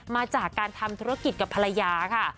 มาจากการทำธุรกิจกับภรรยาค่ะ